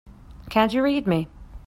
Can't you read me?